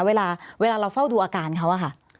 เวลาเราเฝ้าดูอาการเขา